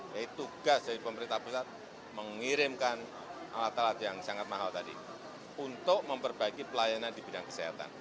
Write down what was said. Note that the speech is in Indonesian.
jadi tugas dari pemerintah pusat mengirimkan alat alat yang sangat mahal tadi untuk memperbaiki pelayanan di bidang kesehatan